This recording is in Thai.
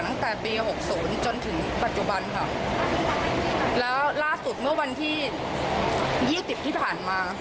ตั้งแต่ปี๖๐จนถึงปัจจุบันค่ะแล้วล่าสุดเมื่อวันที่๒๐ที่ผ่านมา